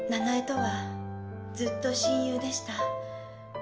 奈々江とはずっと親友でした。